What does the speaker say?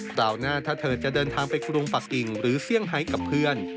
ราวหน้าถ้าเธอจะเดินทางไปกรุงปากกิ่งหรือเซี่ยงไฮกับเพื่อน